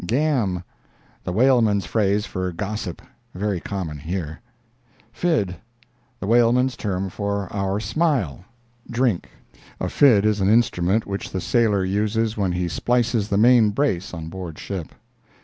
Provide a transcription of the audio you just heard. "Gam"—The whaleman's phrase for gossip—very common here. "Fid"—The whaleman's term for our "smile"—drink. A fid is an instrument which the sailor uses when he splices the main brace on board ship.